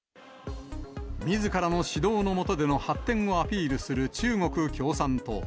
みずからの指導の下での発展をアピールする中国共産党。